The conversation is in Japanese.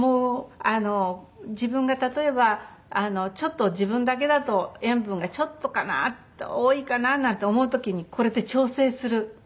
自分が例えばちょっと自分だけだと塩分がちょっとかな多いかななんて思う時にこれで調整する。